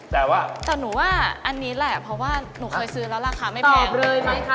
แต่ว่าแต่หนูว่าอันนี้แหละเพราะว่าหนูเคยซื้อแล้วราคาไม่แพงเลยใช่ไหมคะ